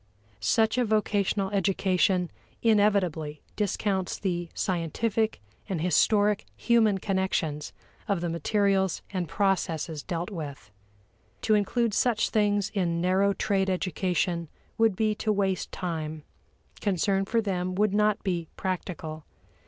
Such a vocational education inevitably discounts the scientific and historic human connections of the materials and processes dealt with. To include such things in narrow trade education would be to waste time; concern for them would not be "practical."